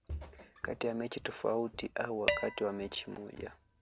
kati ya mechi tofauti au wakati wa mechi moja